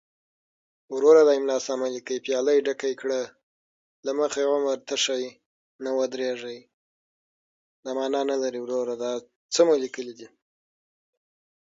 پیالی ډکی کړه له مخی، عمر تښتی نه ودریږی